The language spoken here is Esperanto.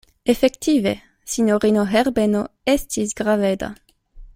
Efektive sinjorino Herbeno estis graveda.